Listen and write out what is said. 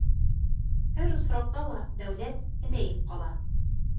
Һәр осраҡта ла дәүләт һемәйеп ҡала.